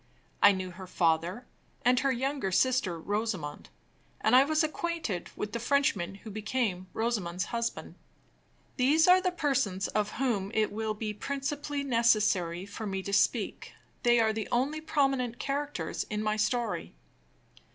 I knew her father, and her younger sister Rosamond; and I was acquainted with the Frenchman who became Rosamond's husband. These are the persons of whom it will be principally necessary for me to speak. They are the only prominent characters in my story.